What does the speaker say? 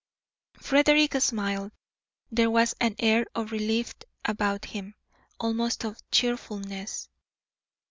Frederick smiled. There was an air of relief about him, almost of cheerfulness.